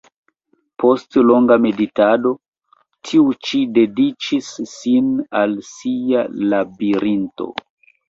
Post longa meditado, tiu ĉi dediĉis sin al sia "Labirinto".